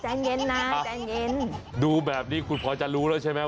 จังเย็นนะดูแบบนี้คุณพอยร์จะรู้แล้วใช่ไหม